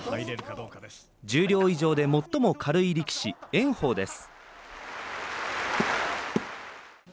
十両以上で最も軽い力士炎鵬です。